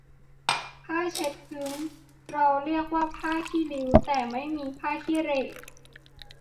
ผ้าเช็ดพื้นเราเรียกว่าผ้าขี้ริ้ว แต่ไม่มีผ้าขี้เหร่